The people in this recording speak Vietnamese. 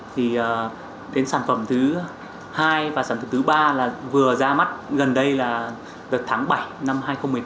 thì đến sản phẩm thứ hai và sản phẩm thứ ba là vừa ra mắt gần đây là được tháng bảy năm hai nghìn một mươi tám